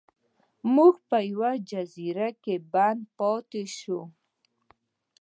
موږ په یوه جزیره کې بند پاتې شو.